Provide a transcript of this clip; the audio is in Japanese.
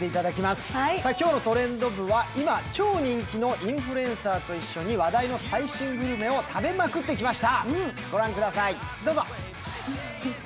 今日のトレンド部は今、超人気のインフルエンサーと一緒に話題の最新グルメを食べまくってきました。